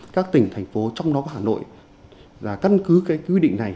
các tỉnh thành phố trong đó có hà nội là căn cứ cái quy định này